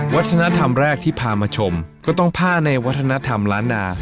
วัฒนธรรมแรกที่พามาชมก็ต้องผ้าในวัฒนธรรมล้านนา